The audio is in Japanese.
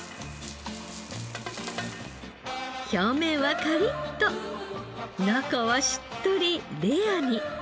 表面はカリッと中はしっとりレアに。